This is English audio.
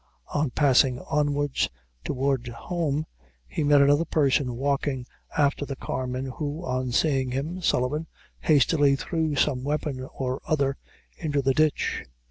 On passing onwards, towards home, he met another person walking after the carman, who, on seeing him (Sullivan) hastily threw some weapon or other into the ditch.